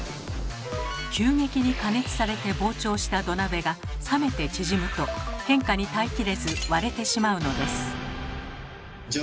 急激に加熱されて膨張した土鍋が冷めて縮むと変化に耐えきれず割れてしまうのです。